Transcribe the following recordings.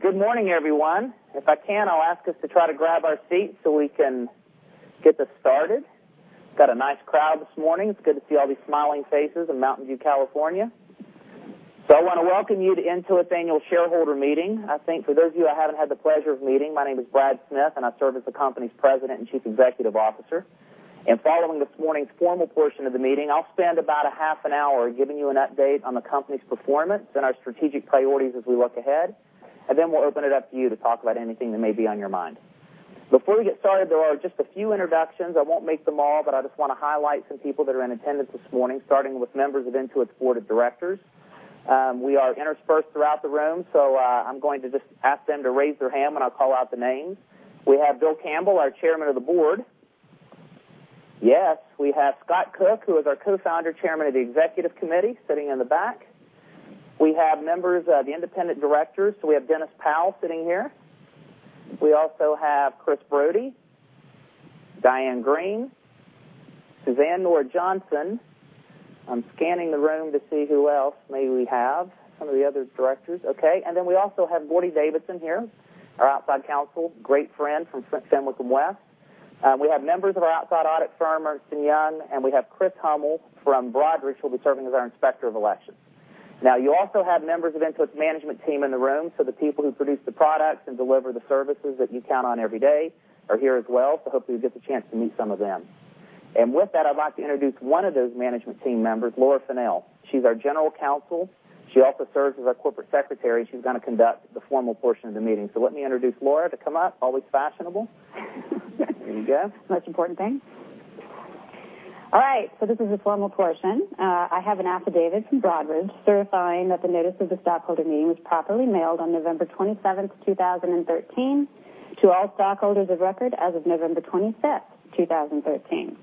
Good morning, everyone. If I can, I'll ask us to try to grab our seats so we can get this started. Got a nice crowd this morning. It's good to see all these smiling faces in Mountain View, California. I want to welcome you to Intuit's annual shareholder meeting. I think for those of you I haven't had the pleasure of meeting, my name is Brad Smith, and I serve as the company's President and Chief Executive Officer. Following this morning's formal portion of the meeting, I'll spend about a half an hour giving you an update on the company's performance and our strategic priorities as we look ahead, then we'll open it up to you to talk about anything that may be on your mind. Before we get started, there are just a few introductions. I won't make them all, but I just want to highlight some people that are in attendance this morning, starting with members of Intuit's Board of Directors. We are interspersed throughout the room. I'm going to just ask them to raise their hand when I call out the names. We have Bill Campbell, our Chairman of the Board. Yes, we have Scott Cook, who is our Co-founder, Chairman of the Executive Committee, sitting in the back. We have members of the independent directors. We have Dennis Powell sitting here. We also have Chris Brody, Diane Greene, Suzanne Nora Johnson. I'm scanning the room to see who else may we have, some of the other directors. We also have Gordie Davidson here, our outside counsel, great friend from Fenwick & West. We have members of our outside audit firm, Ernst & Young, and we have Chris Hummel from Broadridge, who will be serving as our Inspector of Election. You also have members of Intuit's management team in the room. The people who produce the products and deliver the services that you count on every day are here as well. Hopefully you'll get the chance to meet some of them. With that, I'd like to introduce one of those management team members, Laura Fennell. She's our General Counsel. She also serves as our Corporate Secretary. She's going to conduct the formal portion of the meeting. Let me introduce Laura to come up, always fashionable. There you go. Most important thing. All right, this is the formal portion. I have an affidavit from Broadridge certifying that the notice of the stockholder meeting was properly mailed on November 27th, 2013, to all stockholders of record as of November 25th, 2013.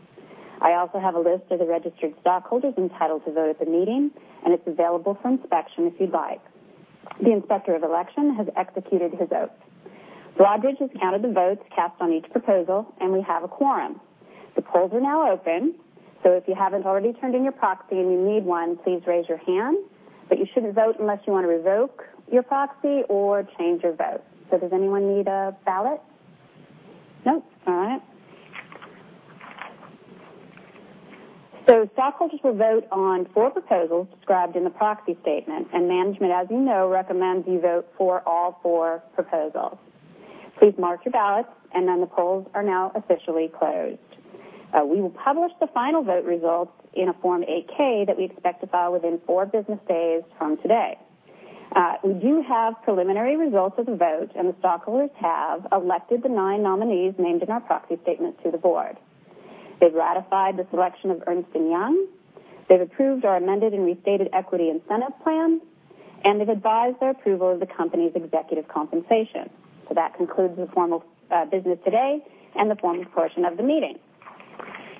I also have a list of the registered stockholders entitled to vote at the meeting. It's available for inspection if you'd like. The Inspector of Election has executed his oath. Broadridge has counted the votes cast on each proposal. We have a quorum. The polls are now open. If you haven't already turned in your proxy and you need one, please raise your hand. You shouldn't vote unless you want to revoke your proxy or change your vote. Does anyone need a ballot? Nope. All right. Stockholders will vote on 4 proposals described in the proxy statement, management, as you know, recommends you vote for all 4 proposals. Please mark your ballots, the polls are now officially closed. We will publish the final vote results in a Form 8-K that we expect to file within 4 business days from today. We do have preliminary results of the vote, the stockholders have elected the 9 nominees named in our proxy statement to the board. They've ratified the selection of Ernst & Young. They've approved our amended and restated equity incentive plan, they've advised their approval of the company's executive compensation. That concludes the formal business today and the formal portion of the meeting.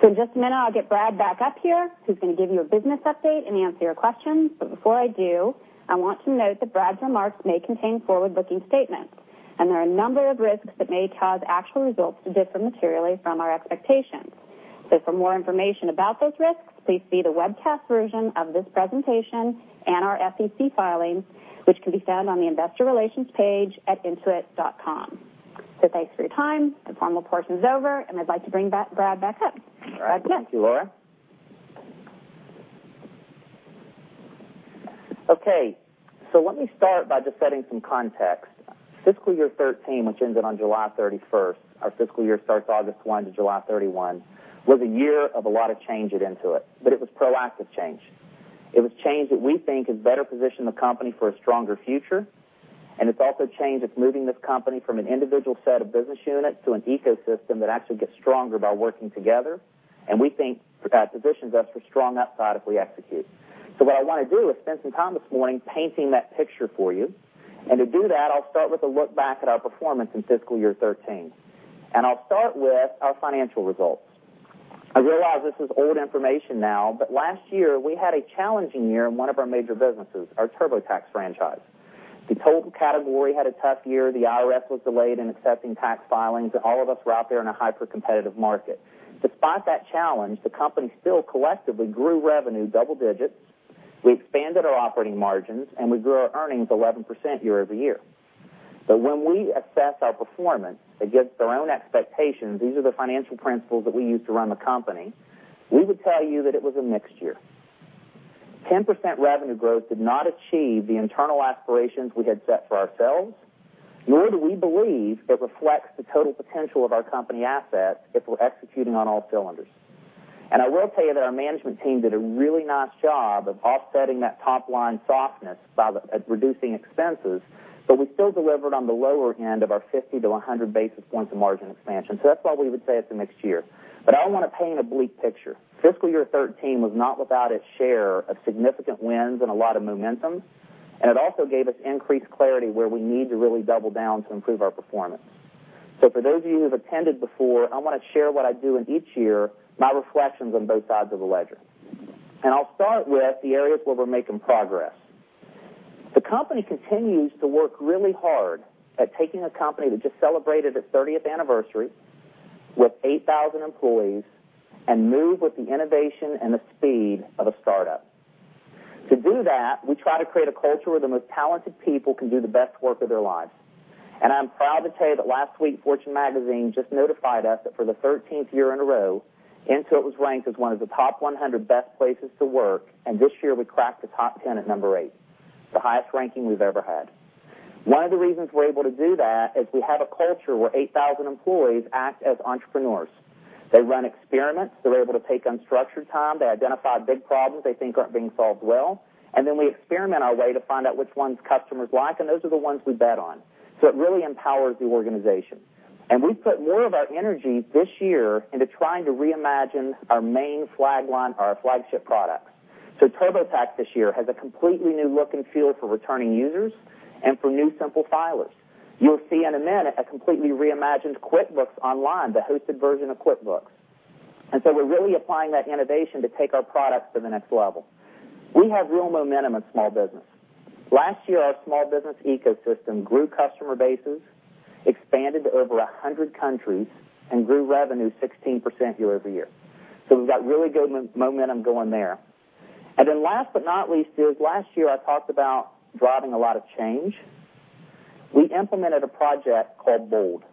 In just a minute, I'll get Brad back up here, who's going to give you a business update and answer your questions. Before I do, I want to note that Brad's remarks may contain forward-looking statements, there are a number of risks that may cause actual results to differ materially from our expectations. For more information about those risks, please see the webcast version of this presentation and our SEC filings, which can be found on the investor relations page at intuit.com. Thanks for your time. The formal portion is over, I'd like to bring Brad back up. Brad Smith. All right. Thank you, Laura. Let me start by just setting some context. FY 2013, which ended on July 31st, our fiscal year starts August one to July 31, was a year of a lot of change at Intuit, it was proactive change. It was change that we think has better positioned the company for a stronger future, it's also change that's moving this company from an individual set of business units to an ecosystem that actually gets stronger by working together, we think that positions us for strong upside if we execute. What I want to do is spend some time this morning painting that picture for you. To do that, I'll start with a look back at our performance in FY 2013. I'll start with our financial results. I realize this is old information now, last year we had a challenging year in one of our major businesses, our TurboTax franchise. The total category had a tough year. The IRS was delayed in accepting tax filings, all of us were out there in a hyper-competitive market. Despite that challenge, the company still collectively grew revenue double-digits, we expanded our operating margins, we grew our earnings 11% year-over-year. When we assess our performance against our own expectations, these are the financial principles that we use to run the company, we would tell you that it was a mixed year. 10% revenue growth did not achieve the internal aspirations we had set for ourselves, nor do we believe it reflects the total potential of our company assets if we're executing on all cylinders. I will tell you that our management team did a really nice job of offsetting that top-line softness by reducing expenses, but we still delivered on the lower end of our 50 to 100 basis points of margin expansion. That's why we would say it's a mixed year. I don't want to paint a bleak picture. Fiscal year 2013 was not without its share of significant wins and a lot of momentum, and it also gave us increased clarity where we need to really double down to improve our performance. For those of you who've attended before, I want to share what I do in each year, my reflections on both sides of the ledger. I'll start with the areas where we're making progress. The company continues to work really hard at taking a company that just celebrated its 30th anniversary with 8,000 employees, and move with the innovation and the speed of a startup. To do that, we try to create a culture where the most talented people can do the best work of their lives. I'm proud to say that last week, Fortune magazine just notified us that for the 13th year in a row, Intuit was ranked as one of the top 100 best places to work, and this year we cracked the top 10 at number 8, the highest ranking we've ever had. One of the reasons we're able to do that is we have a culture where 8,000 employees act as entrepreneurs. They run experiments. They're able to take unstructured time. They identify big problems they think aren't being solved well, and then we experiment our way to find out which ones customers like, and those are the ones we bet on. It really empowers the organization. We've put more of our energy this year into trying to reimagine our main flagship products. TurboTax this year has a completely new look and feel for returning users and for new simple filers. You'll see in a minute a completely reimagined QuickBooks Online, the hosted version of QuickBooks. We're really applying that innovation to take our products to the next level. We have real momentum in small business. Last year, our small business ecosystem grew customer bases, expanded to over 100 countries, and grew revenue 16% year-over-year. We've got really good momentum going there. Last but not least, last year I talked about driving a lot of change. We implemented a project called BOLD,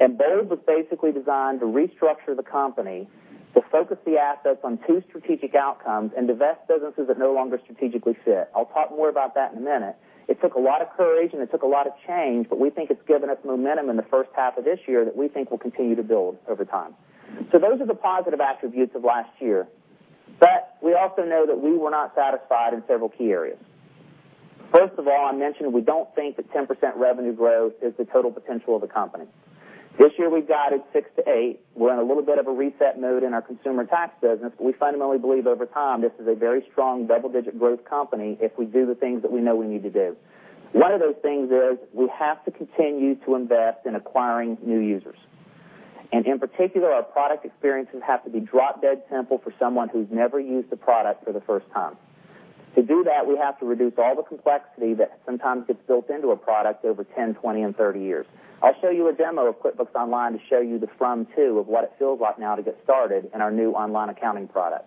and BOLD was basically designed to restructure the company to focus the assets on two strategic outcomes and divest businesses that no longer strategically fit. I'll talk more about that in a minute. It took a lot of courage, and it took a lot of change, but we think it's given us momentum in the first half of this year that we think will continue to build over time. Those are the positive attributes of last year. We also know that we were not satisfied in several key areas. First of all, I mentioned we don't think that 10% revenue growth is the total potential of the company. This year, we guided 6% to 8%. We're in a little bit of a reset mode in our consumer tax business. We fundamentally believe over time, this is a very strong double-digit growth company if we do the things that we know we need to do. One of those things is we have to continue to invest in acquiring new users. In particular, our product experiences have to be drop-dead simple for someone who's never used the product for the first time. To do that, we have to reduce all the complexity that sometimes gets built into a product over 10, 20, and 30 years. I'll show you a demo of QuickBooks Online to show you the from, to of what it feels like now to get started in our new online accounting product.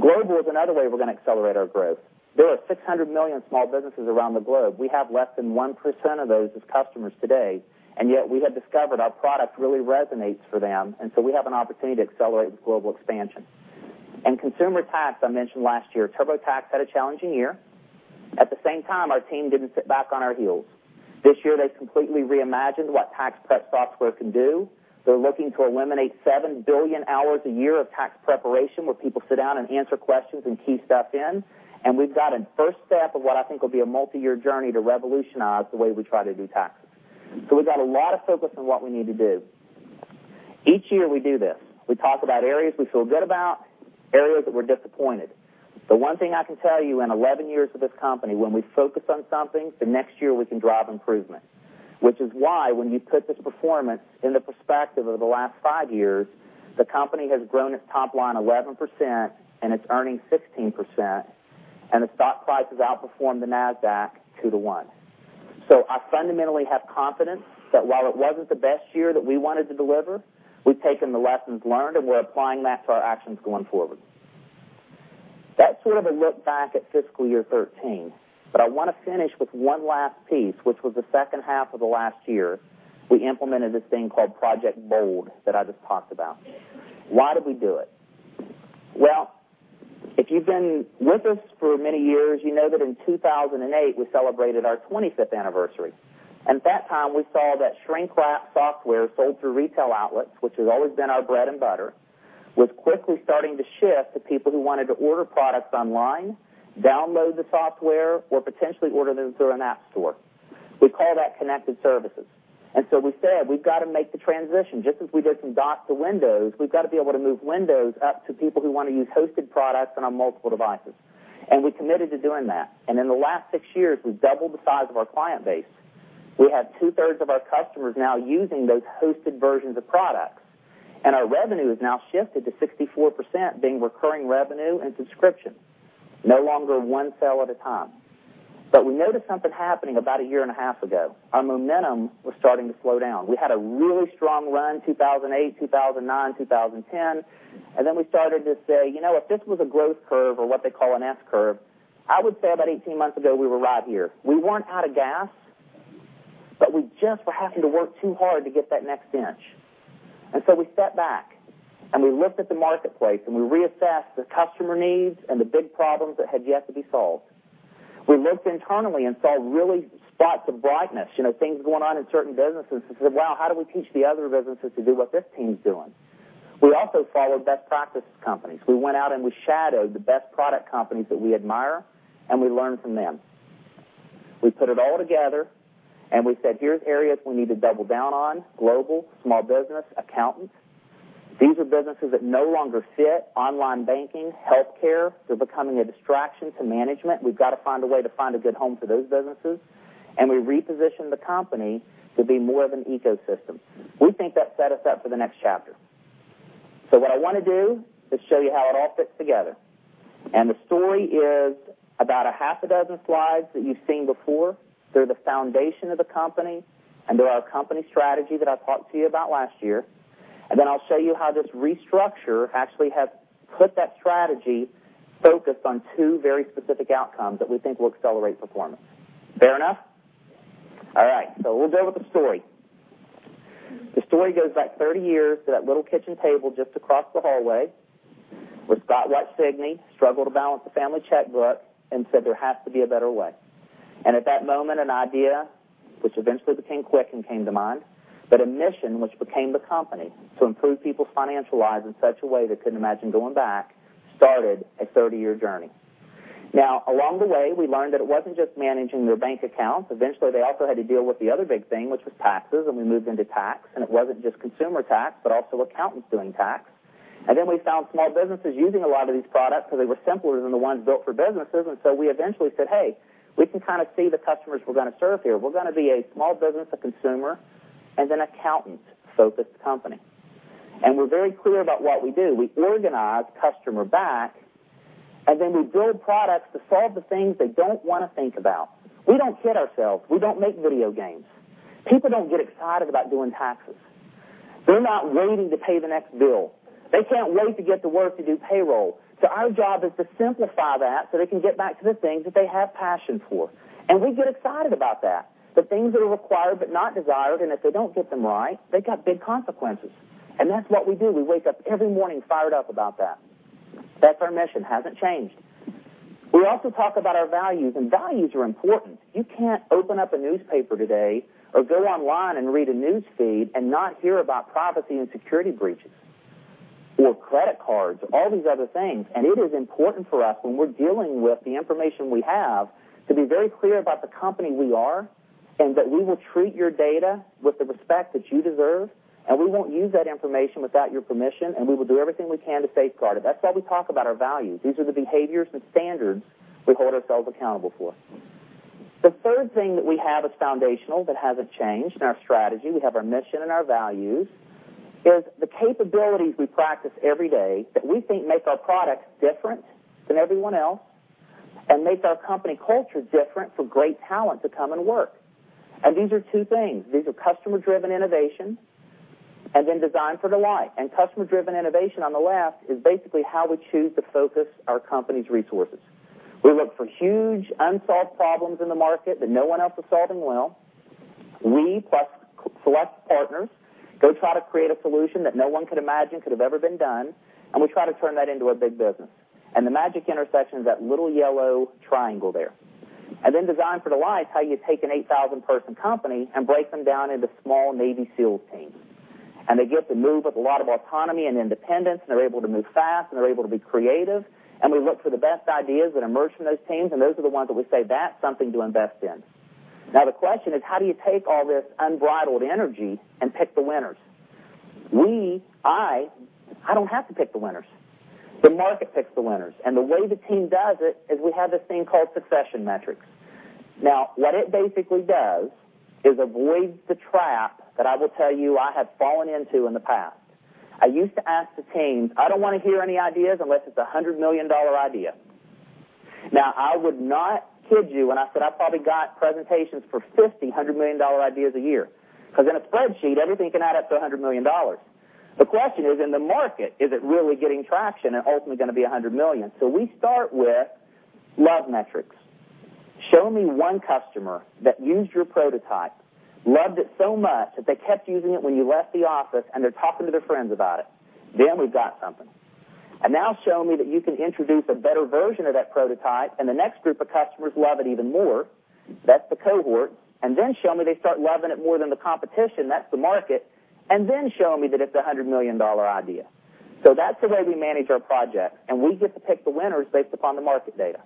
Global is another way we're going to accelerate our growth. There are 600 million small businesses around the globe. We have less than 1% of those as customers today. Yet we have discovered our product really resonates for them, so we have an opportunity to accelerate with global expansion. Consumer tax, I mentioned last year, TurboTax had a challenging year. At the same time, our team didn't sit back on our heels. This year, they completely reimagined what tax prep software can do. They're looking to eliminate 7 billion hours a year of tax preparation, where people sit down and answer questions and key stuff in. We've got a first step of what I think will be a multi-year journey to revolutionize the way we try to do taxes. We've got a lot of focus on what we need to do. Each year we do this. We talk about areas we feel good about, areas that we're disappointed. The one thing I can tell you, in 11 years of this company, when we focus on something, the next year we can drive improvement, which is why when you put this performance in the perspective of the last five years, the company has grown its top line 11%, and its earnings 16%, and its stock price has outperformed the Nasdaq two to one. I fundamentally have confidence that while it wasn't the best year that we wanted to deliver, we've taken the lessons learned, and we're applying that to our actions going forward. That's sort of a look back at fiscal year 2013. I want to finish with one last piece, which was the second half of the last year, we implemented this thing called Project BOLD that I just talked about. Why did we do it? If you've been with us for many years, you know that in 2008, we celebrated our 25th anniversary. At that time, we saw that shrink-wrapped software sold through retail outlets, which has always been our bread and butter, was quickly starting to shift to people who wanted to order products online, download the software, or potentially order them through an app store. We call that connected services. We said, we've got to make the transition. Just as we did from DOS to Windows, we've got to be able to move Windows up to people who want to use hosted products and on multiple devices. We committed to doing that. In the last six years, we've doubled the size of our client base. We have two-thirds of our customers now using those hosted versions of products, our revenue has now shifted to 64% being recurring revenue and subscription, no longer one sale at a time. We noticed something happening about a year and a half ago. Our momentum was starting to slow down. We had a really strong run 2008, 2009, 2010, then we started to say, if this was a growth curve or what they call an S-curve, I would say about 18 months ago, we were right here. We weren't out of gas, we just were having to work too hard to get that next inch. We stepped back, we looked at the marketplace, and we reassessed the customer needs and the big problems that had yet to be solved. We looked internally, saw really spots of brightness, things going on in certain businesses, and said, "Wow, how do we teach the other businesses to do what this team's doing?" We also followed best practice companies. We went out, we shadowed the best product companies that we admire, we learned from them. We put it all together, we said, "Here are areas we need to double down on, global, small business, accountants. These are businesses that no longer fit, online banking, healthcare. They're becoming a distraction to management. We've got to find a way to find a good home for those businesses," we repositioned the company to be more of an ecosystem. We think that set us up for the next chapter. What I want to do is show you how it all fits together. The story is about a half a dozen slides that you've seen before. They're the foundation of the company, they're our company strategy that I talked to you about last year. Then I'll show you how this restructure actually has put that strategy focused on two very specific outcomes that we think will accelerate performance. Fair enough? All right. We'll go with the story. The story goes back 30 years to that little kitchen table just across the hallway with Scott Cook, struggled to balance the family checkbook, and said there has to be a better way. At that moment, an idea which eventually became Quicken came to mind, but a mission which became the company to improve people's financial lives in such a way they couldn't imagine going back, started a 30-year journey. Along the way, we learned that it wasn't just managing their bank accounts. Eventually, they also had to deal with the other big thing, which was taxes, we moved into tax, it wasn't just consumer tax, but also accountants doing tax. We found small businesses using a lot of these products because they were simpler than the ones built for businesses. We eventually said, "Hey, we can kind of see the customers we're going to serve here." We're going to be a small business, a consumer, and an accountant-focused company. We're very clear about what we do. We organize customer back, then we build products to solve the things they don't want to think about. We don't kid ourselves. We don't make video games. People don't get excited about doing taxes. They're not waiting to pay the next bill. They can't wait to get to work to do payroll. Our job is to simplify that so they can get back to the things that they have passion for. We get excited about that, the things that are required but not desired, and if they don't get them right, they got big consequences. That's what we do. We wake up every morning fired up about that. That's our mission. Hasn't changed. We also talk about our values, and values are important. You can't open up a newspaper today or go online and read a news feed and not hear about privacy and security breaches or credit cards, all these other things. It is important for us when we're dealing with the information we have to be very clear about the company we are, and that we will treat your data with the respect that you deserve, and we won't use that information without your permission, and we will do everything we can to safeguard it. That's why we talk about our values. These are the behaviors and standards we hold ourselves accountable for. The third thing that we have as foundational that hasn't changed in our strategy, we have our mission and our values, is the capabilities we practice every day that we think make our products different than everyone else and makes our company culture different for great talent to come and work. These are two things. These are Customer-Driven Innovation and Design for Delight. Customer-Driven Innovation on the left is basically how we choose to focus our company's resources. We look for huge unsolved problems in the market that no one else is solving well. We plus select partners go try to create a solution that no one could imagine could have ever been done, and we try to turn that into a big business. The magic intersection is that little yellow triangle there. Design for Delight is how you take an 8,000-person company and break them down into small Navy SEAL teams. They get to move with a lot of autonomy and independence, and they're able to move fast, and they're able to be creative. We look for the best ideas that emerge from those teams, and those are the ones that we say, "That's something to invest in." Now, the question is, how do you take all this unbridled energy and pick the winners? We, I don't have to pick the winners. The market picks the winners. The way the team does it is we have this thing called succession metrics. Now, what it basically does is avoids the trap that I will tell you I have fallen into in the past. I used to ask the teams, "I don't want to hear any ideas unless it's a $100 million idea." Now, I would not kid you when I said I probably got presentations for 50 $100 million ideas a year, because in a spreadsheet, everything can add up to $100 million. The question is, in the market, is it really getting traction and ultimately going to be $100 million? We start with love metrics. Show me one customer that used your prototype, loved it so much that they kept using it when you left the office, and they're talking to their friends about it. We've got something. Now show me that you can introduce a better version of that prototype, and the next group of customers love it even more. That's the cohort. Then show me they start loving it more than the competition. That's the market. Then show me that it's a $100 million idea. That's the way we manage our projects, and we get to pick the winners based upon the market data.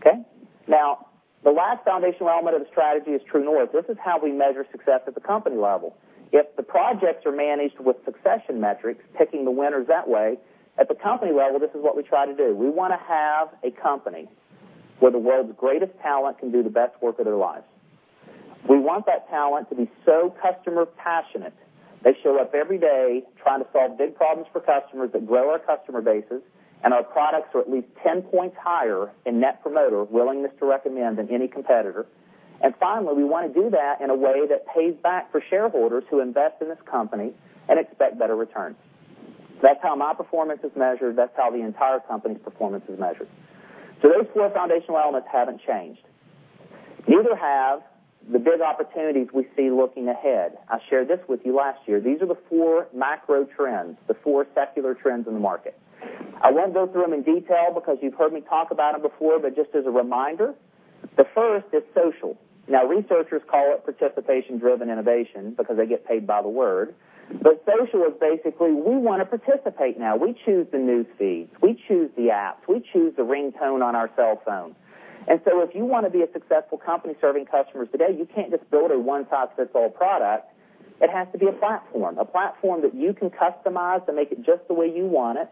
Okay? Now, the last foundational element of the strategy is True North. This is how we measure success at the company level. If the projects are managed with succession planning metrics, picking the winners that way, at the company level, this is what we try to do. We want to have a company where the world's greatest talent can do the best work of their lives. We want that talent to be so customer passionate, they show up every day trying to solve big problems for customers that grow our customer bases, and our products are at least 10 points higher in Net Promoter willingness to recommend than any competitor. Finally, we want to do that in a way that pays back for shareholders who invest in this company and expect better returns. That's how my performance is measured. That's how the entire company's performance is measured. Those four foundational elements haven't changed. Neither have the big opportunities we see looking ahead. I shared this with you last year. These are the four macro trends, the four secular trends in the market. I won't go through them in detail because you've heard me talk about them before, but just as a reminder, the first is social. Researchers call it participation-driven innovation because they get paid by the word. Social is basically we want to participate now. We choose the news feeds. We choose the apps. We choose the ringtone on our cell phones. If you want to be a successful company serving customers today, you can't just build a one-size-fits-all product. It has to be a platform, a platform that you can customize to make it just the way you want it,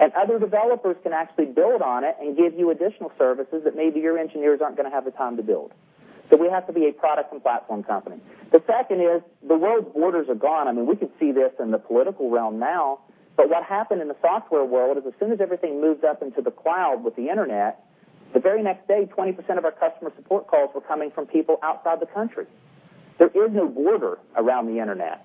and other developers can actually build on it and give you additional services that maybe your engineers aren't going to have the time to build. We have to be a product and platform company. The second is the world's borders are gone. We could see this in the political realm now, but what happened in the software world is as soon as everything moved up into the cloud with the internet, the very next day, 20% of our customer support calls were coming from people outside the country. There is no border around the internet.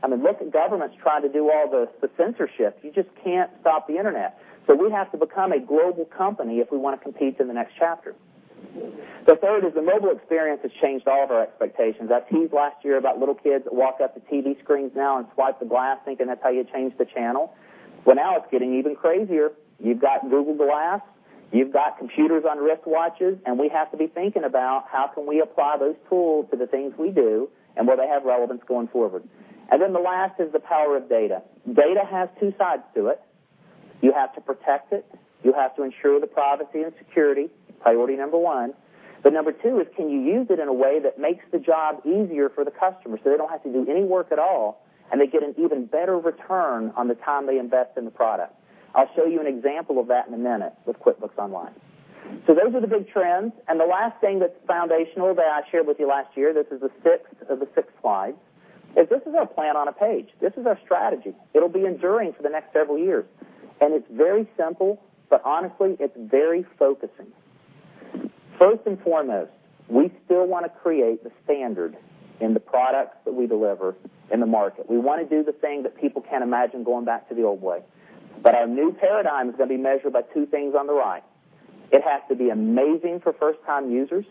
Governments try to do all the censorship. You just can't stop the internet. We have to become a global company if we want to compete in the next chapter. The third is the mobile experience has changed all of our expectations. I teased last year about little kids that walk up to TV screens now and swipe the glass, thinking that's how you change the channel. Now it's getting even crazier. You've got Google Glass, you've got computers on wristwatches, and we have to be thinking about how can we apply those tools to the things we do, and will they have relevance going forward. The last is the power of data. Data has two sides to it. You have to protect it. You have to ensure the privacy and security, priority number 1. Number 2 is can you use it in a way that makes the job easier for the customer, so they don't have to do any work at all, and they get an even better return on the time they invest in the product? I'll show you an example of that in a minute with QuickBooks Online. Those are the big trends, and the last thing that's foundational that I shared with you last year, this is the sixth of the six slides, is this is our plan on a page. This is our strategy. It'll be enduring for the next several years, and it's very simple, but honestly, it's very focusing. First and foremost, we still want to create the standard in the products that we deliver in the market. We want to do the thing that people can't imagine going back to the old way. Our new paradigm is going to be measured by two things on the right. It has to be amazing for first-time users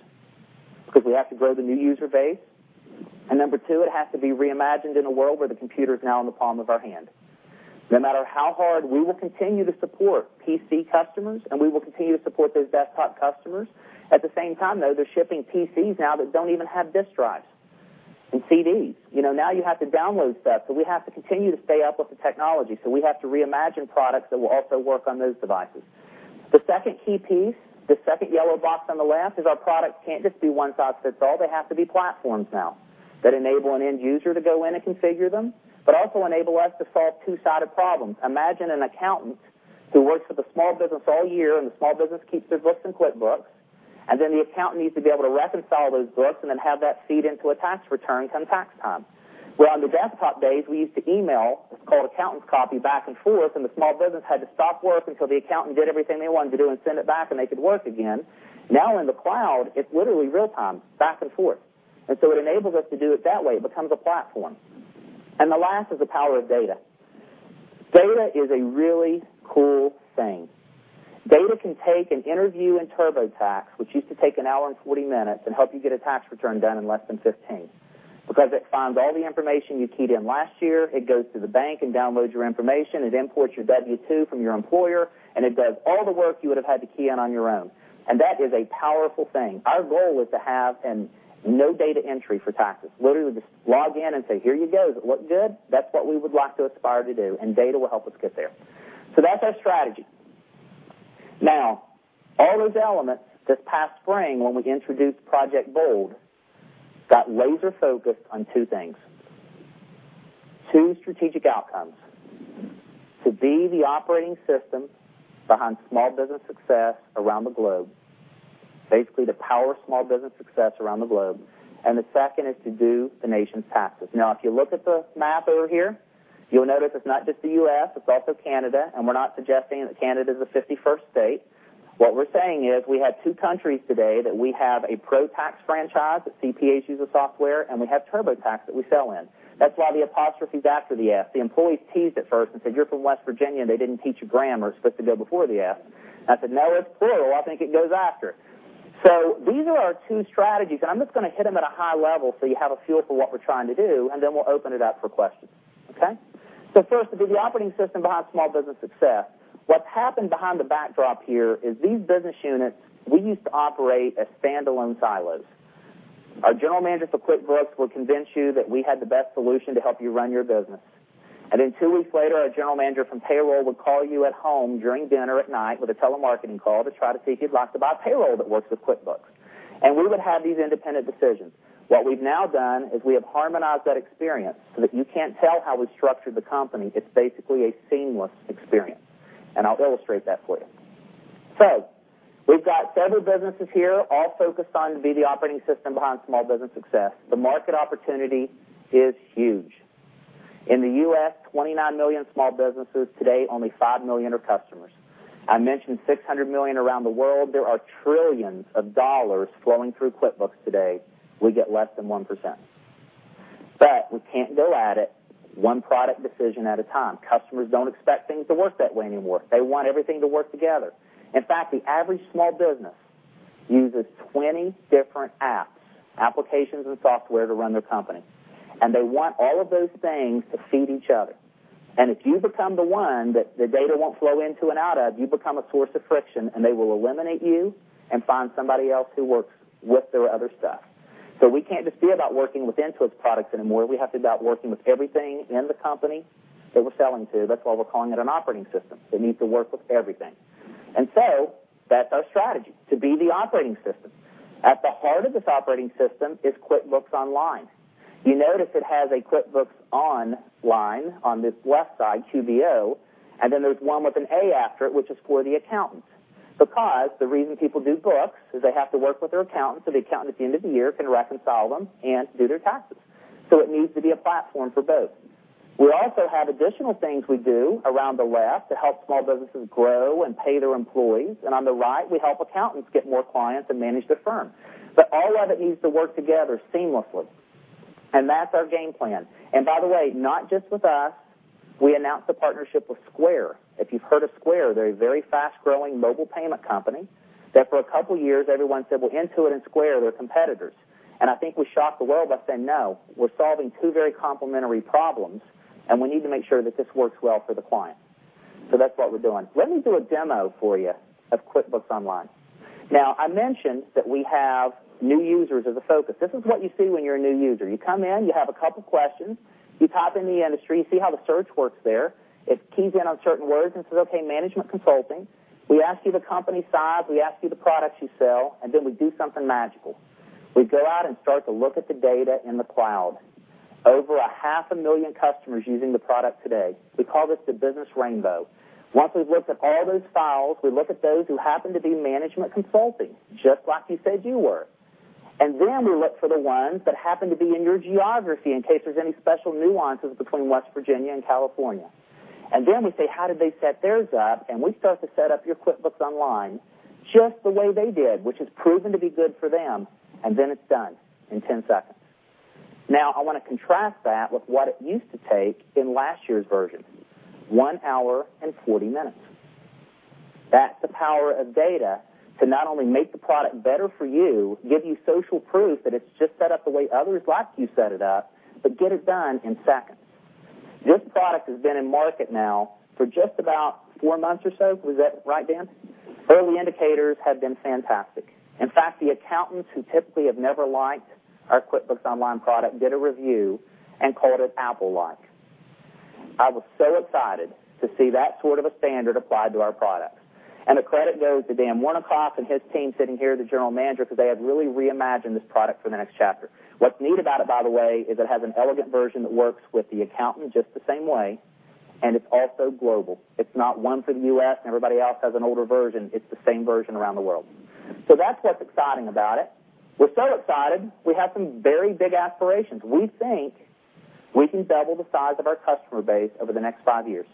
because we have to grow the new user base, and number 2, it has to be reimagined in a world where the computer is now in the palm of our hand. No matter how hard, we will continue to support PC customers, and we will continue to support those desktop customers. At the same time, though, they're shipping PCs now that don't even have disk drives and CDs. You have to download stuff, so we have to continue to stay up with the technology. We have to reimagine products that will also work on those devices. The second key piece, the second yellow box on the left, is our products can't just be one size fits all. They have to be platforms now that enable an end user to go in and configure them, but also enable us to solve two-sided problems. Imagine an accountant who works with a small business all year, and the small business keeps their books in QuickBooks, and then the accountant needs to be able to reconcile those books and then have that feed into a tax return come tax time. In the desktop days, we used to email what's called accountant's copy back and forth, and the small business had to stop work until the accountant did everything they wanted to do and send it back, and they could work again. In the cloud, it's literally real time, back and forth, and so it enables us to do it that way. It becomes a platform. The last is the power of data. Data is a really cool thing. Data can take an interview in TurboTax, which used to take 1 hour and 40 minutes, and help you get a tax return done in less than 15, because it finds all the information you keyed in last year. It goes to the bank and downloads your information. It imports your W-2 from your employer, and it does all the work you would have had to key in on your own, and that is a powerful thing. Our goal is to have no data entry for taxes, literally just log in and say, "Here you go. Does it look good?" That's what we would like to aspire to do, and data will help us get there. That's our strategy. All those elements this past spring, when we introduced Project BOLD, got laser focused on two things, two strategic outcomes, to be the operating system behind small business success around the globe, basically to power small business success around the globe, and the second is to do the nation's taxes. If you look at the map over here, you'll notice it's not just the U.S., it's also Canada, and we're not suggesting that Canada is the 51st state. What we're saying is we have two countries today that we have a ProTax franchise that CPAs use the software, and we have TurboTax that we sell in. That's why the apostrophe is after the S. The employees teased at first and said, "You're from West Virginia, and they didn't teach you grammar. It's supposed to go before the S." I said, "No, it's plural. I think it goes after." These are our two strategies, I'm just going to hit them at a high level so you have a feel for what we're trying to do, then we'll open it up for questions. Okay? First, to be the operating system behind small business success, what's happened behind the backdrop here is these business units, we used to operate as standalone silos. A general manager for QuickBooks would convince you that we had the best solution to help you run your business, two weeks later, a general manager from Payroll would call you at home during dinner at night with a telemarketing call to try to see if you'd like to buy Payroll that works with QuickBooks, and we would have these independent decisions. What we've now done is we have harmonized that experience so that you can't tell how we structured the company. It's basically a seamless experience, I'll illustrate that for you. We've got several businesses here all focused on to be the operating system behind small business success. The market opportunity is huge. In the U.S., 29 million small businesses, today, only 5 million are customers. I mentioned 600 million around the world. There are trillions of dollars flowing through QuickBooks today. We get less than 1%. We can't go at it one product decision at a time. Customers don't expect things to work that way anymore. They want everything to work together. In fact, the average small business uses 20 different apps, applications, and software to run their company. They want all of those things to feed each other. If you become the one that the data won't flow into and out of, you become a source of friction. They will eliminate you and find somebody else who works with their other stuff. We can't just be about working with Intuit's products anymore. We have to be about working with everything in the company that we're selling to. That's why we're calling it an operating system. It needs to work with everything. That's our strategy, to be the operating system. At the heart of this operating system is QuickBooks Online. You notice it has a QuickBooks Online on this left side, QBO, and then there's one with an A after it, which is for the accountants. Because the reason people do books is they have to work with their accountants, so the accountant at the end of the year can reconcile them and do their taxes. It needs to be a platform for both. We also have additional things we do around the left to help small businesses grow and pay their employees. On the right, we help accountants get more clients and manage their firm. All of it needs to work together seamlessly. That's our game plan. By the way, not just with us, we announced a partnership with Square. If you've heard of Square, they're a very fast-growing mobile payment company that for a couple of years, everyone said, "Well, Intuit and Square, they're competitors." I think we shocked the world by saying, "No, we're solving two very complementary problems, and we need to make sure that this works well for the client." That's what we're doing. Let me do a demo for you of QuickBooks Online. Now, I mentioned that we have new users as a focus. This is what you see when you're a new user. You come in, you have a couple of questions. You type in the industry, see how the search works there. It keys in on certain words and says, okay, management consulting. We ask you the company size, we ask you the products you sell. Then we do something magical. We go out and start to look at the data in the cloud. Over a half a million customers using the product today. We call this the business rainbow. Once we've looked at all those files, we look at those who happen to be management consulting, just like you said you were. We look for the ones that happen to be in your geography in case there's any special nuances between West Virginia and California. We say, how did they set theirs up? We start to set up your QuickBooks Online just the way they did, which has proven to be good for them. Then it's done in 10 seconds. Now, I want to contrast that with what it used to take in last year's version, one hour and 40 minutes. That's the power of data to not only make the product better for you, give you social proof that it's just set up the way others like you set it up, but get it done in seconds. This product has been in market now for just about 4 months or so. Was that right, Dan? Early indicators have been fantastic. In fact, the accountants who typically have never liked our QuickBooks Online product did a review and called it Apple-like. I was so excited to see that sort of a standard applied to our product. The credit goes to Dan Wernikoff and his team sitting here, the General Manager, because they have really reimagined this product for the next chapter. It has an elegant version that works with the accountant just the same way, and it's also global. It's not one for the U.S., and everybody else has an older version. It's the same version around the world. That's what's exciting about it. We're so excited. We have some very big aspirations. We think we can double the size of our customer base over the next 5 years,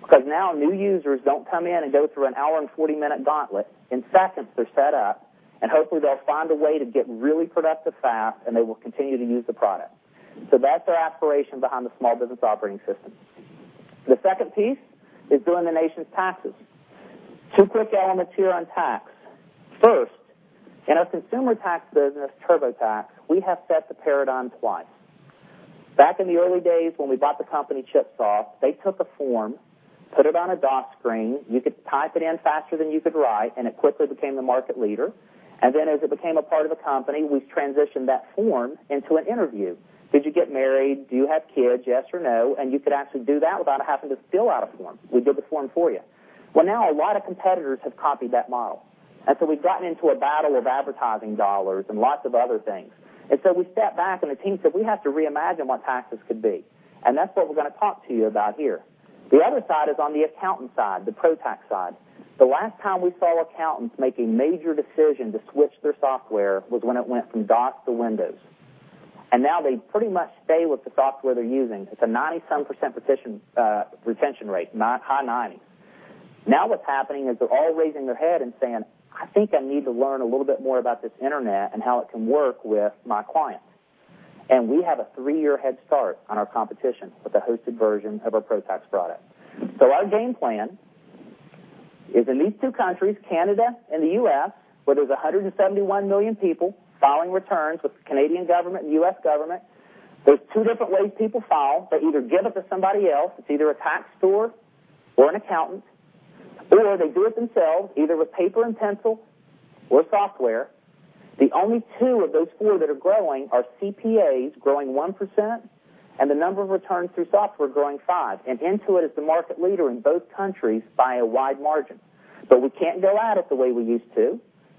because now new users don't come in and go through an hour and 40-minute gauntlet. In seconds, they're set up, and hopefully they'll find a way to get really productive fast, and they will continue to use the product. That's our aspiration behind the small business operating system. The second piece is doing the nation's taxes. 2 quick elements here on tax. First, in our consumer tax business, TurboTax, we have set the paradigm twice. Back in the early days when we bought the company Chipsoft, they took a form, put it on a DOS screen, you could type it in faster than you could write, and it quickly became the market leader. As it became a part of the company, we've transitioned that form into an interview. Did you get married? Do you have kids? Yes or no? You could actually do that without having to fill out a form. We did the form for you. Well, now a lot of competitors have copied that model. We've gotten into a battle of advertising dollars and lots of other things. We stepped back and the team said, "We have to reimagine what taxes could be." That's what we're going to talk to you about here. The other side is on the accountant side, the ProTax side. The last time we saw accountants make a major decision to switch their software was when it went from DOS to Windows. They pretty much stay with the software they're using. It's a 97% retention rate, high 90s. Now what's happening is they're all raising their head and saying, "I think I need to learn a little bit more about this internet and how it can work with my clients." We have a 3-year head start on our competition with the hosted version of our ProTax product. Our game plan is in these 2 countries, Canada and the U.S., where there's 171 million people filing returns with the Canadian government and U.S. government. There's 2 different ways people file. They either give it to somebody else, it is either a tax store or an accountant, or they do it themselves, either with paper and pencil or software. The only two of those four that are growing are CPAs, growing 1%, and the number of returns through software growing 5%, and Intuit is the market leader in both countries by a wide margin. We can't go at it the way we used to.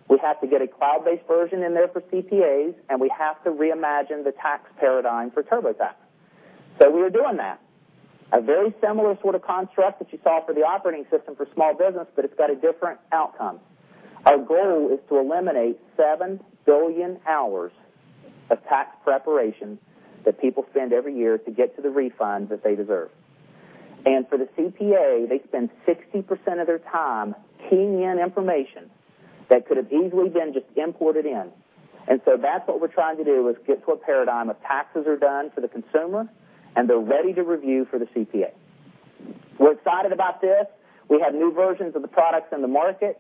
We have to get a cloud-based version in there for CPAs, and we have to reimagine the tax paradigm for TurboTax. We are doing that. A very similar sort of construct that you saw for the operating system for small business, but it has got a different outcome. Our goal is to eliminate 7 billion hours of tax preparation that people spend every year to get to the refunds that they deserve. For the CPA, they spend 60% of their time keying in information that could have easily been just imported in. That's what we're trying to do, is get to a paradigm of taxes are done for the consumer, and they're ready to review for the CPA. We're excited about this. We have new versions of the products in the market,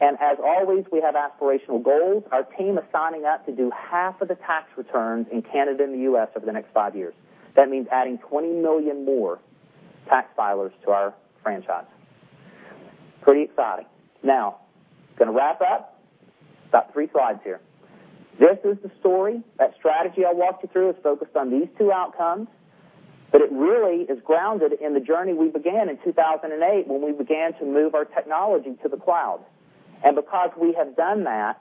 and as always, we have aspirational goals. Our team is signing up to do half of the tax returns in Canada and the U.S. over the next five years. That means adding 20 million more tax filers to our franchise. Pretty exciting. Now, going to wrap up. About three slides here. This is the story. That strategy I walked you through is focused on these two outcomes, but it really is grounded in the journey we began in 2008 when we began to move our technology to the cloud. Because we have done that,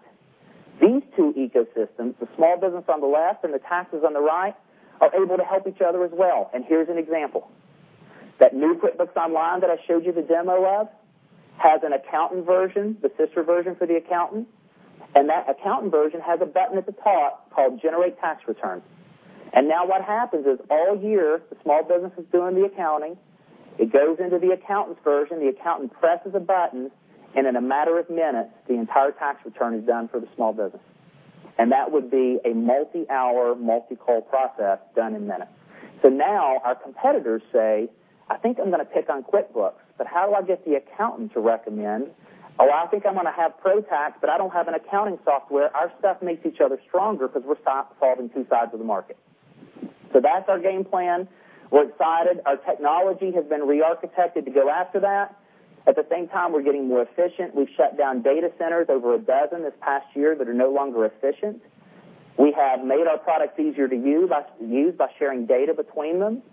these two ecosystems, the small business on the left and the taxes on the right, are able to help each other as well, and here's an example. That new QuickBooks Online that I showed you the demo of has an accountant version, the sister version for the accountant, and that accountant version has a button at the top called Generate Tax Return. Now what happens is, all year, the small business is doing the accounting. It goes into the accountant version, the accountant presses a button, and in a matter of minutes, the entire tax return is done for the small business. That would be a multi-hour, multi-call process done in minutes. Now our competitors say, "I think I'm going to pick on QuickBooks, but how do I get the accountant to recommend?" "Oh, I think I'm going to have ProTax, but I don't have an accounting software." Our stuff makes each other stronger because we're solving two sides of the market. That's our game plan. We're excited. Our technology has been re-architected to go after that. At the same time, we're getting more efficient. We've shut down data centers, over a dozen this past year, that are no longer efficient. We have made our products easier to use by sharing data between them.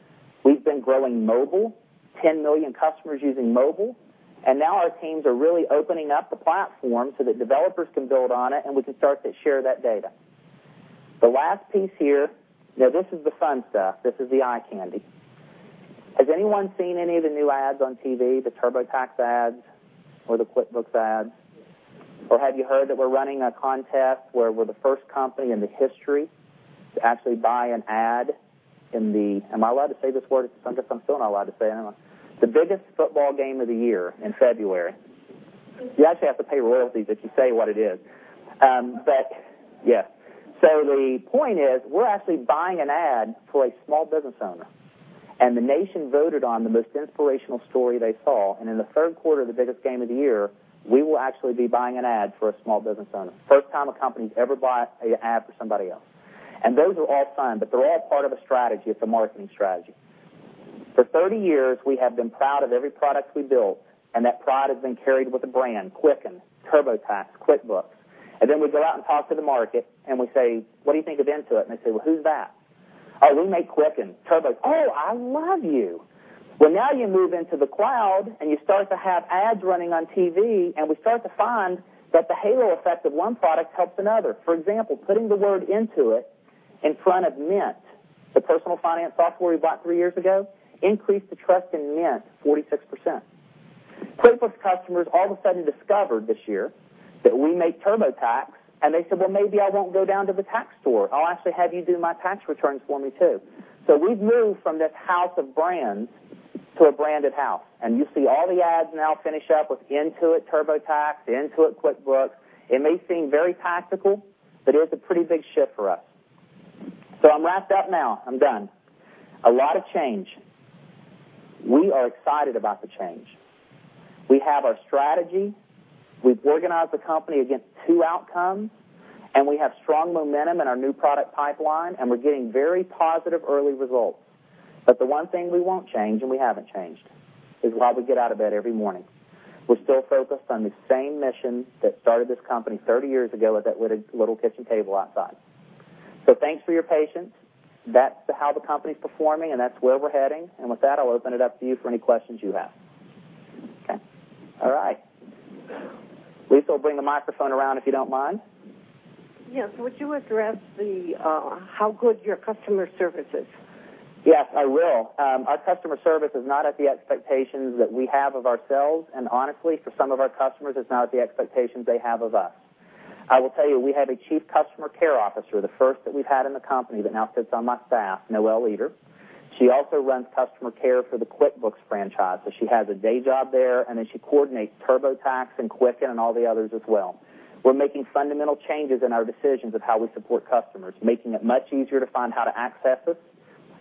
We've been growing mobile, 10 million customers using mobile, and now our teams are really opening up the platform so that developers can build on it, and we can start to share that data. The last piece here, this is the fun stuff. This is the eye candy. Has anyone seen any of the new ads on TV, the TurboTax ads or the QuickBooks ads? Or have you heard that we're running a contest where we're the first company in the history to actually buy an ad in the Am I allowed to say this word at Sundown? I'm still not allowed to say it, am I? The biggest football game of the year, in February. You actually have to pay royalties if you say what it is. Yeah. The point is, we're actually buying an ad for a small business owner, and the nation voted on the most inspirational story they saw, and in the third quarter of the biggest game of the year, we will actually be buying an ad for a small business owner. First time a company's ever bought an ad for somebody else. Those are all fun, but they're all part of a strategy. It's a marketing strategy. For 30 years, we have been proud of every product we built, and that pride has been carried with the brand, Quicken, TurboTax, QuickBooks. Then we go out and talk to the market, and we say, "What do you think of Intuit?" They say, "Who's that?" "Oh, we make Quicken, Turbo" "Oh, I love you." Now you move into the cloud, and you start to have ads running on TV, and we start to find that the halo effect of one product helps another. For example, putting the word Intuit in front of Mint, the personal finance software we bought 3 years ago, increased the trust in Mint 46%. QuickBooks customers all of a sudden discovered this year that we make TurboTax, and they said, "Maybe I won't go down to the tax store. I'll actually have you do my tax returns for me, too." We've moved from this house of brands to a branded house, and you see all the ads now finish up with Intuit TurboTax, Intuit QuickBooks. It may seem very tactical, but it is a pretty big shift for us. I'm wrapped up now. I'm done. A lot of change. We are excited about the change. We have our strategy. We've organized the company against two outcomes, and we have strong momentum in our new product pipeline, and we're getting very positive early results. The one thing we won't change, and we haven't changed, is why we get out of bed every morning. We're still focused on the same mission that started this company 30 years ago at that little kitchen table outside. Thanks for your patience. That's how the company's performing, and that's where we're heading. With that, I'll open it up to you for any questions you have. Okay. All right. Lisa will bring the microphone around, if you don't mind. Yes. Would you address how good your customer service is? Yes, I will. Our customer service is not at the expectations that we have of ourselves, and honestly, for some of our customers, it's not at the expectations they have of us. I will tell you, we have a Chief Customer Care Officer, the first that we've had in the company, that now sits on my staff, Noelle Eder. She also runs customer care for the QuickBooks franchise, so she has a day job there, and then she coordinates TurboTax and Quicken and all the others as well. We're making fundamental changes in our decisions of how we support customers, making it much easier to find how to access us,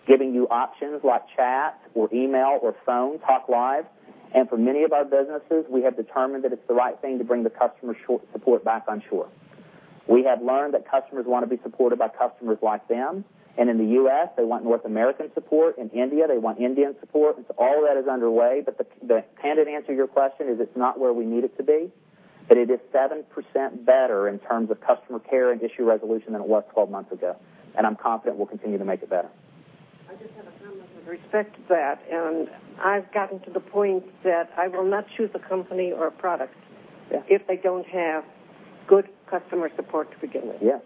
giving you options like chat or email or phone, talk live. For many of our businesses, we have determined that it's the right thing to bring the customer support back on shore. We have learned that customers want to be supported by customers like them, and in the U.S., they want North American support. In India, they want Indian support. All that is underway. The candid answer to your question is it's not where we need it to be, but it is 7% better in terms of customer care and issue resolution than it was 12 months ago, and I'm confident we'll continue to make it better. I just have a comment with respect to that. I've gotten to the point that I will not choose a company or a product. Yeah if they don't have good customer support to begin with. Yeah.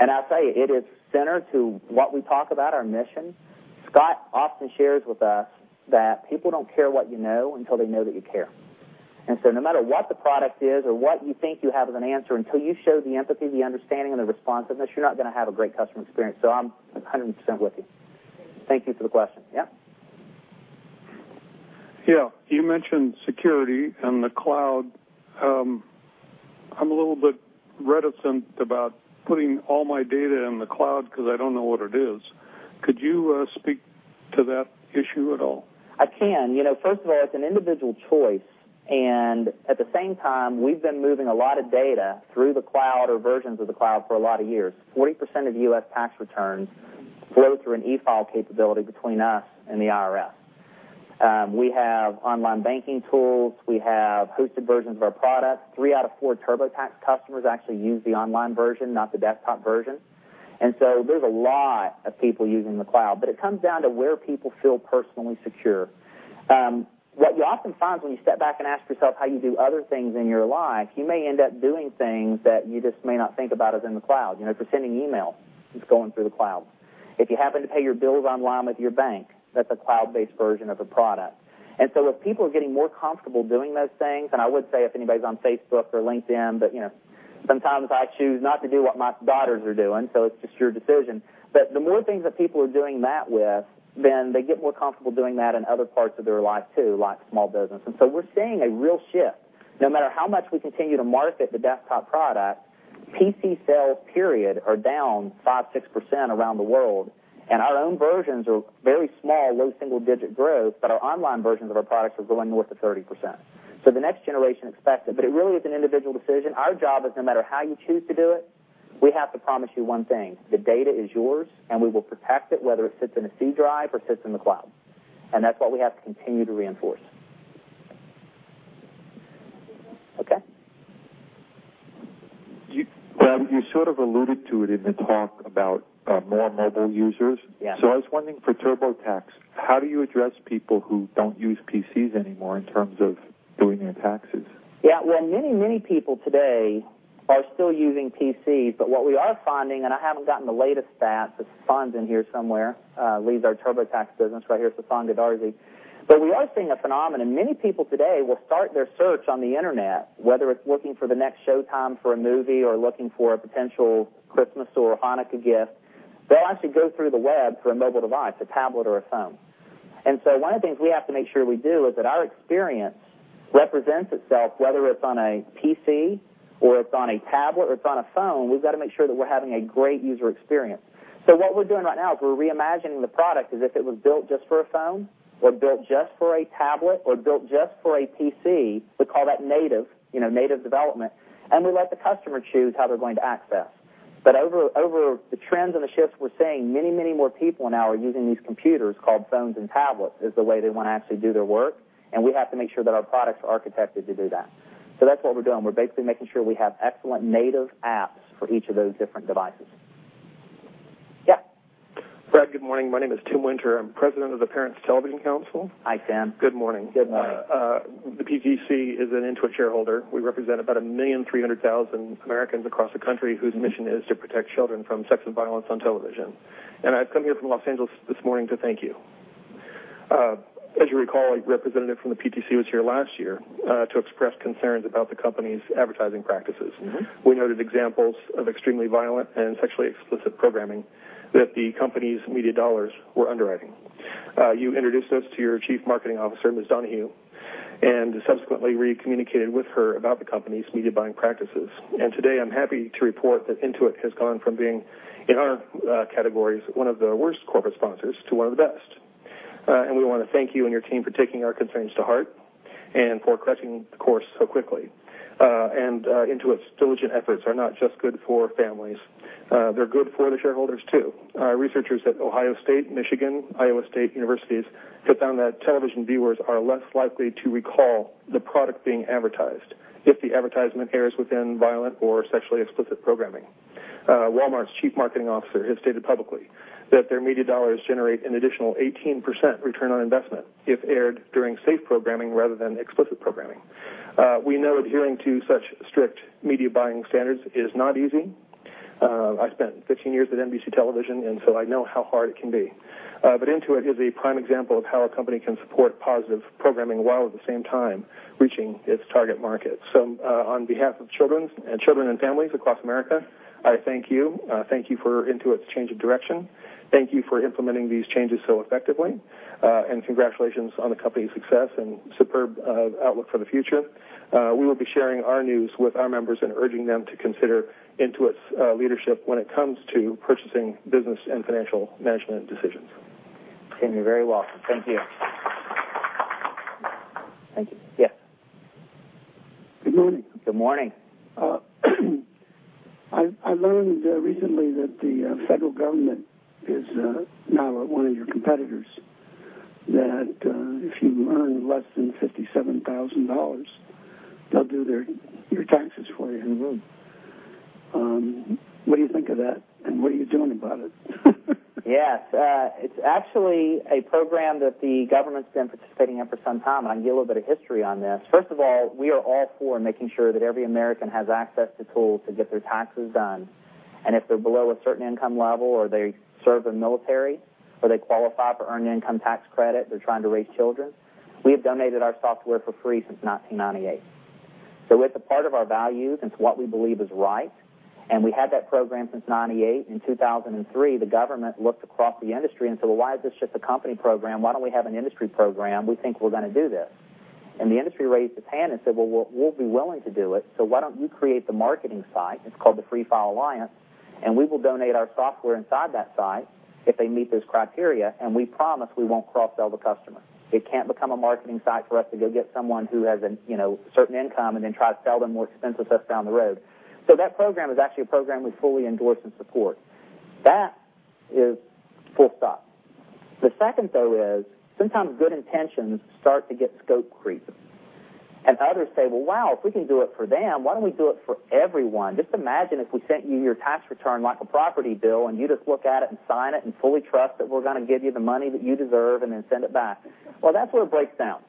I'll tell you, it is centered to what we talk about, our mission. Scott often shares with us that people don't care what you know until they know that you care. No matter what the product is or what you think you have as an answer, until you show the empathy, the understanding, and the responsiveness, you're not going to have a great customer experience. I'm 100% with you. Thank you for the question. Yeah. Yeah. You mentioned security and the cloud. I'm a little bit reticent about putting all my data in the cloud because I don't know what it is. Could you speak to that issue at all? I can. First of all, it's an individual choice. At the same time, we've been moving a lot of data through the cloud or versions of the cloud for a lot of years. 40% of U.S. tax returns flow through an e-file capability between us and the IRS. We have online banking tools. We have hosted versions of our products. Three out of four TurboTax customers actually use the online version, not the desktop version. There's a lot of people using the cloud. It comes down to where people feel personally secure. What you often find when you step back and ask yourself how you do other things in your life, you may end up doing things that you just may not think about as in the cloud. If you're sending email, it's going through the cloud. If you happen to pay your bills online with your bank, that's a cloud-based version of a product. As people are getting more comfortable doing those things, I would say if anybody's on Facebook or LinkedIn, sometimes I choose not to do what my daughters are doing, it's just your decision. The more things that people are doing that with, then they get more comfortable doing that in other parts of their life too, like small business. We're seeing a real shift. No matter how much we continue to market the desktop product, PC sales period are down 5%, 6% around the world, and our own versions are very small, low single-digit growth, but our online versions of our products are going north of 30%. The next generation expects it, but it really is an individual decision. Our job is, no matter how you choose to do it, we have to promise you one thing, the data is yours, and we will protect it, whether it sits in a C drive or sits in the cloud. That's what we have to continue to reinforce. Okay. Brad, you sort of alluded to it in the talk about more mobile users. Yeah. I was wondering for TurboTax, how do you address people who don't use PCs anymore in terms of doing their taxes? Many, many people today are still using PCs, what we are finding, and I haven't gotten the latest stats, Sasan's in here somewhere, leads our TurboTax business, right here. Sasan Goodarzi. We are seeing a phenomenon. Many people today will start their search on the internet, whether it's looking for the next showtime for a movie or looking for a potential Christmas or a Hanukkah gift. They'll actually go through the web for a mobile device, a tablet or a phone. One of the things we have to make sure we do is that our experience represents itself, whether it's on a PC or it's on a tablet or it's on a phone, we've got to make sure that we're having a great user experience. What we're doing right now is we're reimagining the product as if it was built just for a phone or built just for a tablet or built just for a PC. We call that native development, and we let the customer choose how they're going to access. Over the trends and the shifts, we're seeing many more people now are using these computers called phones and tablets as the way they want to actually do their work, and we have to make sure that our products are architected to do that. That's what we're doing. We're basically making sure we have excellent native apps for each of those different devices. Brad, good morning. My name is Tim Winter. I'm president of the Parents Television Council. Hi, Tim. Good morning. Good morning. The PTC is an Intuit shareholder. We represent about 1,300,000 Americans across the country whose mission is to protect children from sex and violence on television. I've come here from Los Angeles this morning to thank you. As you recall, a representative from the PTC was here last year to express concerns about the company's advertising practices. We noted examples of extremely violent and sexually explicit programming that the company's media dollars were underwriting. You introduced us to your chief marketing officer, Ms. Donahue. Subsequently, we communicated with her about the company's media buying practices. Today, I'm happy to report that Intuit has gone from being, in our categories, one of the worst corporate sponsors to one of the best. We want to thank you and your team for taking our concerns to heart and for correcting the course so quickly. Intuit's diligent efforts are not just good for families, they're good for the shareholders, too. Researchers at Ohio State, Michigan, Iowa State universities have found that television viewers are less likely to recall the product being advertised if the advertisement airs within violent or sexually explicit programming. Walmart's chief marketing officer has stated publicly that their media dollars generate an additional 18% return on investment if aired during safe programming rather than explicit programming. We know adhering to such strict media buying standards is not easy. I spent 15 years at NBC Television, I know how hard it can be. Intuit is a prime example of how a company can support positive programming while at the same time reaching its target market. On behalf of children and families across America, I thank you. Thank you for Intuit's change of direction. Thank you for implementing these changes so effectively, and congratulations on the company's success and superb outlook for the future. We will be sharing our news with our members and urging them to consider Intuit's leadership when it comes to purchasing business and financial management decisions. Tim, you're very welcome. Thank you. Thank you. Yes. Good morning. Good morning. I learned recently that the federal government is now one of your competitors, that if you earn less than $57,000, they'll do your taxes for you in the room. What do you think of that, and what are you doing about it? Yes. It's actually a program that the government's been participating in for some time. I can give a little bit of history on this. First of all, we are all for making sure that every American has access to tools to get their taxes done, and if they're below a certain income level or they serve the military, or they qualify for Earned Income Tax Credit, they're trying to raise children, we have donated our software for free since 1998. It's a part of our values and it's what we believe is right, and we had that program since 1998. In 2003, the government looked across the industry and said, "Well, why is this just a company program? Why don't we have an industry program? We think we're going to do this." The industry raised its hand and said, "Well, we'll be willing to do it, so why don't you create the marketing side," it's called the Free File Alliance, "and we will donate our software inside that site if they meet those criteria, and we promise we won't cross-sell the customer." It can't become a marketing site for us to go get someone who has a certain income and then try to sell them more expensive stuff down the road. That program is actually a program we fully endorse and support. That is full stop. The second, though, is sometimes good intentions start to get scope creep. Others say, "Well, wow, if we can do it for them, why don't we do it for everyone? Just imagine if we sent you your tax return like a property bill, and you just look at it and sign it and fully trust that we're going to give you the money that you deserve, and then send it back." Well, that's where it breaks down.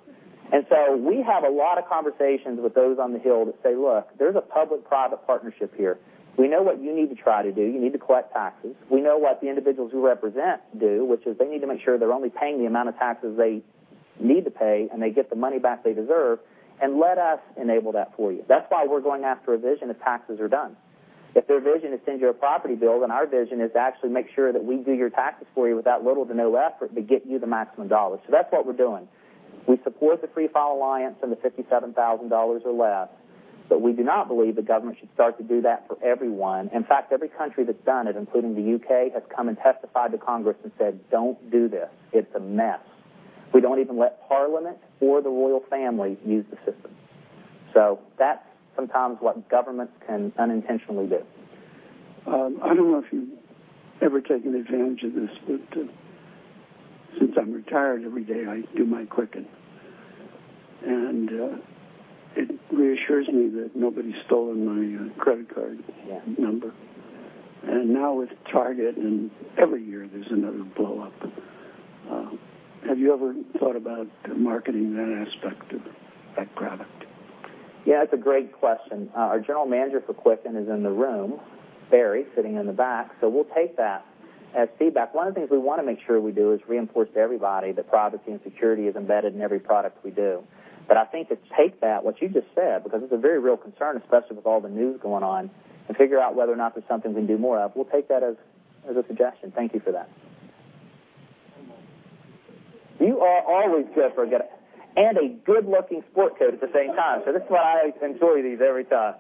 We have a lot of conversations with those on the Hill that say, "Look, there's a public-private partnership here. We know what you need to try to do. You need to collect taxes. We know what the individuals we represent do, which is they need to make sure they're only paying the amount of taxes they need to pay, and they get the money back they deserve, and let us enable that for you." That's why we're going after a vision that taxes are done. If their vision is send you a property bill, then our vision is to actually make sure that we do your taxes for you with as little to no effort to get you the maximum dollars. That's what we're doing. We support the Free File Alliance and the $57,000 or less. We do not believe the government should start to do that for everyone. In fact, every country that's done it, including the U.K., has come and testified to Congress and said, "Don't do this. It's a mess. We don't even let Parliament or the royal family use the system." That's sometimes what governments can unintentionally do. I don't know if you've ever taken advantage of this, but since I'm retired, every day, I do my Quicken, and it reassures me that nobody's stolen my credit card number. Yeah. Now with Target, every year there's another blow-up. Have you ever thought about marketing that aspect of that product? That's a great question. Our general manager for Quicken is in the room, Barry, sitting in the back. We'll take that as feedback. One of the things we want to make sure we do is reinforce to everybody that privacy and security is embedded in every product we do. I think to take that, what you just said, because it's a very real concern, especially with all the news going on, and figure out whether or not there's something we can do more of, we'll take that as a suggestion. Thank you for that. You are always good for a good-looking sport coat at the same time. This is why I enjoy these every time.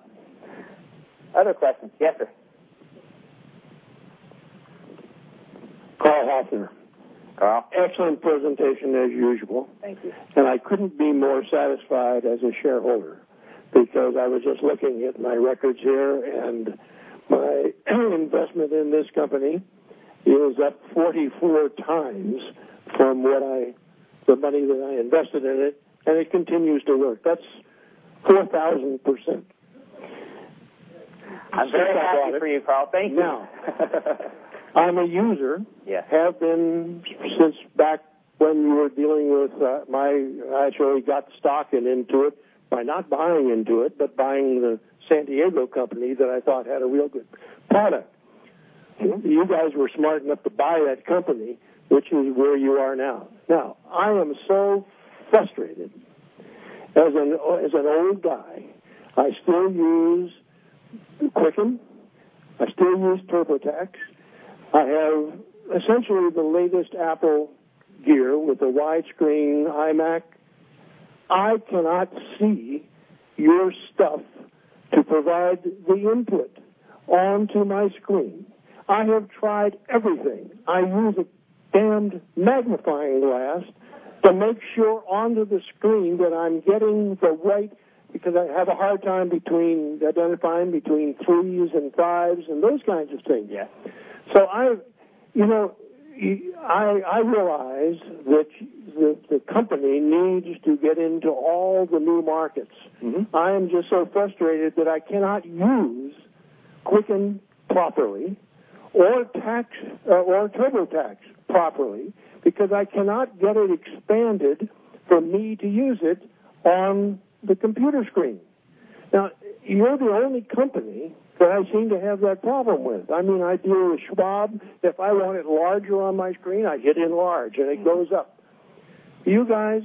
Other questions? Yes, sir. Carl Halfter. Carl. Excellent presentation, as usual. Thank you. I couldn't be more satisfied as a shareholder because I was just looking at my records here and my investment in this company is up 44 times from the money that I invested in it, and it continues to work. That's 4,000%. I'm very happy for you, Carl. Thank you. I'm a user. Yeah. Have been since back when we were dealing with I actually got stock in Intuit by not buying Intuit, but buying the San Diego company that I thought had a real good product. You guys were smart enough to buy that company, which is where you are now. I am so frustrated. As an old guy, I still use Quicken, I still use TurboTax. I have essentially the latest Apple gear with the wide screen iMac. I cannot see your stuff to provide the input onto my screen. I have tried everything. I use a damned magnifying glass to make sure onto the screen that I'm getting the right, because I have a hard time identifying between threes and fives and those kinds of things. Yeah. I realize that the company needs to get into all the new markets. I am just so frustrated that I cannot use Quicken properly, or TurboTax properly because I cannot get it expanded for me to use it on the computer screen. You're the only company that I seem to have that problem with. I do it with Schwab. If I want it larger on my screen, I hit enlarge, and it goes up. You guys,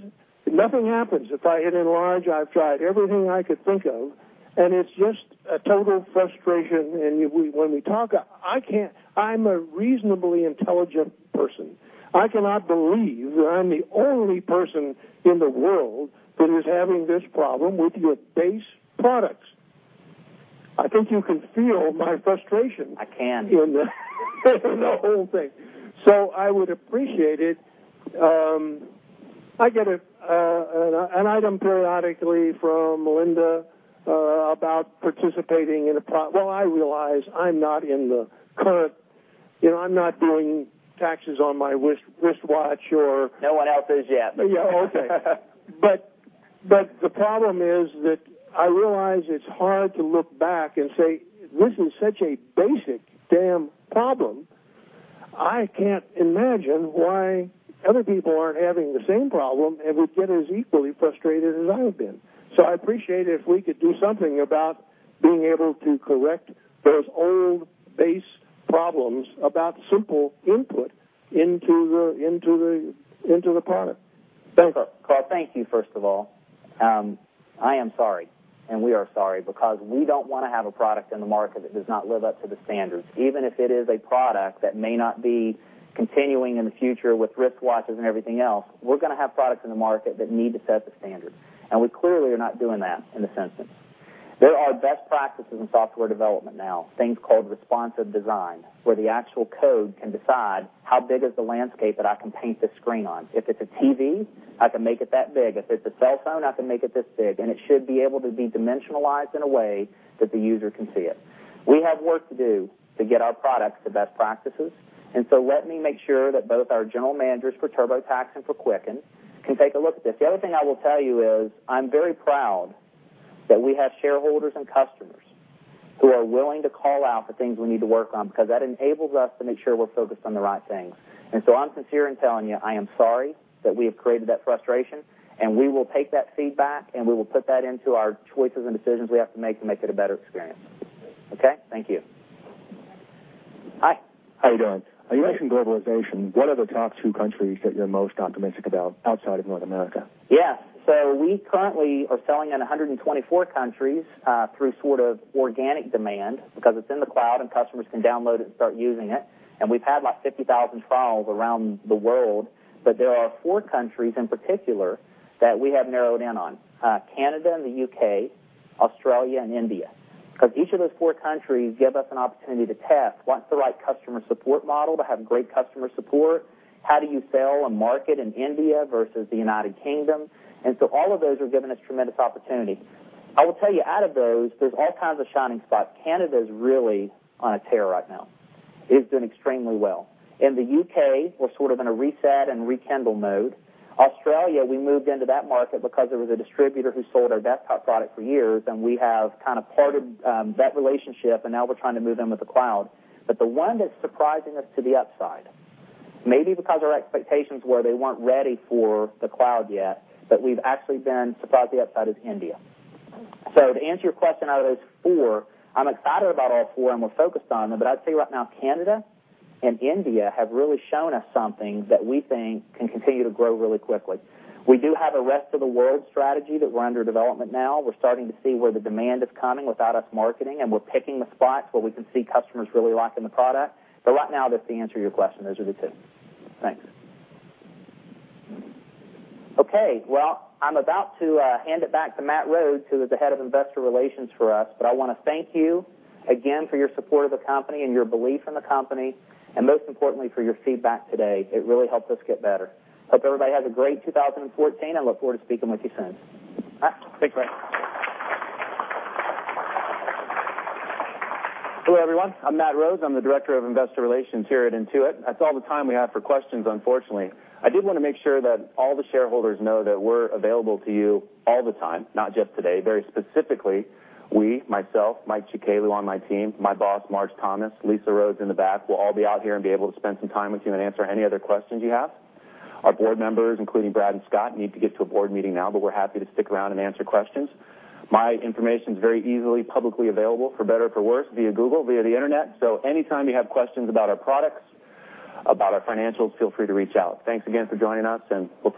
nothing happens if I hit enlarge. I've tried everything I could think of, and it's just a total frustration. When we talk, I'm a reasonably intelligent person. I cannot believe that I'm the only person in the world who is having this problem with your base products. I think you can feel my frustration- I can in the whole thing. I would appreciate it. I get an item periodically from Melinda about participating in a. I realize I'm not in the current I'm not doing taxes on my wristwatch or- No one else is yet. The problem is that I realize it's hard to look back and say, this is such a basic damn problem, I can't imagine why other people aren't having the same problem and would get as equally frustrated as I have been. I'd appreciate it if we could do something about being able to correct those old base problems about simple input into the product. Thanks. Carl, thank you, first of all. I am sorry, and we are sorry because we don't want to have a product in the market that does not live up to the standards. Even if it is a product that may not be continuing in the future with wristwatches and everything else, we're going to have products in the market that need to set the standard, and we clearly are not doing that in a sense. There are best practices in software development now, things called responsive design, where the actual code can decide how big is the landscape that I can paint this screen on. If it's a TV, I can make it that big. If it's a cell phone, I can make it this big, and it should be able to be dimensionalized in a way that the user can see it. We have work to do to get our products to best practices. Let me make sure that both our general managers for TurboTax and for Quicken can take a look at this. The other thing I will tell you is, I'm very proud that we have shareholders and customers who are willing to call out the things we need to work on because that enables us to make sure we're focused on the right things. I'm sincere in telling you, I am sorry that we have created that frustration, and we will take that feedback, and we will put that into our choices and decisions we have to make to make it a better experience. Okay? Thank you. Hi. How you doing? You mentioned globalization. What are the top two countries that you're most optimistic about outside of North America? Yeah. We currently are selling in 124 countries, through sort of organic demand because it's in the cloud and customers can download it and start using it, and we've had like 50,000 trials around the world. There are four countries in particular that we have narrowed in on, Canada and the U.K., Australia, and India. Each of those four countries give us an opportunity to test what's the right customer support model to have great customer support. How do you sell and market in India versus the United Kingdom? All of those have given us tremendous opportunity. I will tell you out of those, there's all kinds of shining spots. Canada's really on a tear right now. It has done extremely well. In the U.K., we're sort of in a reset and rekindle mode. Australia, we moved into that market because there was a distributor who sold our desktop product for years, and we have kind of parted that relationship and now we're trying to move them to the cloud. The one that's surprising us to the upside, maybe because our expectations were they weren't ready for the cloud yet, we've actually been surprised the upside is India. To answer your question, out of those four, I'm excited about all four and we're focused on them, I'd say right now Canada and India have really shown us something that we think can continue to grow really quickly. We do have a rest of the world strategy that we're under development now. We're starting to see where the demand is coming without us marketing, and we're picking the spots where we can see customers really liking the product. Right now, just to answer your question, those are the two. Thanks. Okay. Well, I'm about to hand it back to Matt Rhodes, who is the Head of Investor Relations for us. I want to thank you again for your support of the company and your belief in the company, and most importantly, for your feedback today. It really helps us get better. Hope everybody has a great 2014, and look forward to speaking with you soon. All right. Thanks, Brad. Hello, everyone. I'm Matt Rhodes. I'm the director of investor relations here at Intuit. That's all the time we have for questions, unfortunately. I did want to make sure that all the shareholders know that we're available to you all the time, not just today. Very specifically, we, myself, Mike Jakaylu on my team, my boss, Marge Thomas, Lisa Rhodes in the back, will all be out here and be able to spend some time with you and answer any other questions you have. Our board members, including Brad and Scott, need to get to a board meeting now, but we're happy to stick around and answer questions. My information's very easily publicly available, for better or for worse, via Google, via the internet, so anytime you have questions about our products, about our financials, feel free to reach out. Thanks again for joining us, and we'll talk to you soon.